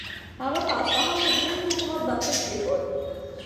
هغه په اصفهان کې د نوي حکومت بنسټ کېښود.